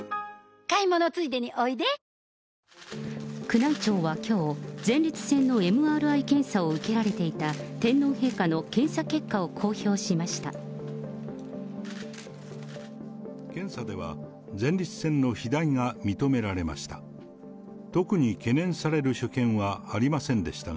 宮内庁はきょう、前立腺のＭＲＩ検査を受けられていた天皇陛下の検査結果を公表しました。